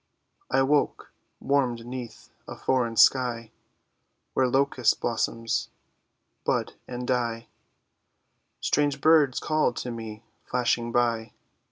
I woke, warmed 'neath a foreign sky Where locust blossoms bud and die, Strange birds called to me flashing by.